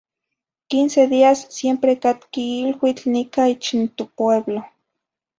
quince días siempre catqui iluitl nicah ich n topueblo.